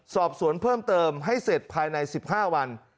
สอบสวนเพิ่มเติมให้เสร็จภายใน๑๕วัน